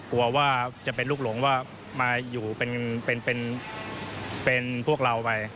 กลัวว่าจะเป็นลูกหลงว่ามาอยู่เป็นเป็นเป็นเป็นพวกเราไป